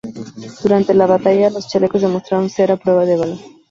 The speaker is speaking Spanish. Durante la batalla, los chalecos demostraron ser a prueba de balas.